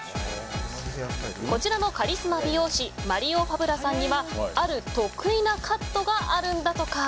こちらのカリスマ美容師マリオ・ファブラさんにはある得意なカットがあるんだとか。